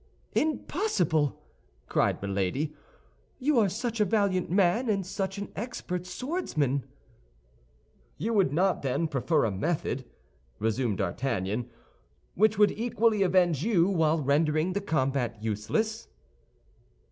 "Impossible!" cried Milady, "you are such a valiant man, and such an expert swordsman." "You would not, then, prefer a method," resumed D'Artagnan, "which would equally avenge you while rendering the combat useless?"